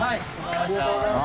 ありがとうございます。